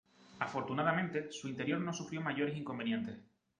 Afortunadamente, su interior no sufrió mayores inconvenientes.